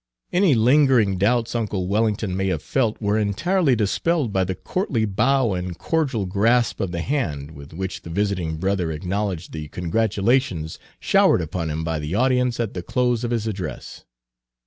Any lingering doubts uncle Wellington may have felt were entirely dispelled by the courtly bow and cordial grasp of the hand with which the visiting brother acknowledged the congratulations showered upon him by the audience at the close of his address.